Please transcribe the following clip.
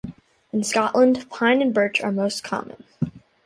In Scotland, pine and birch are most common.